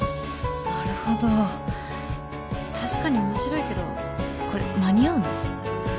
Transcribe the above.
なるほど確かに面白いけどこれ間に合うの？